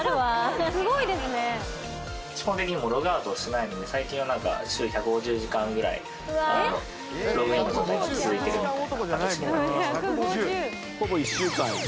基本的にもうログアウトをしないので最近はなんか週１５０時間ぐらいログインの状態が続いてるみたいな形になっていますね。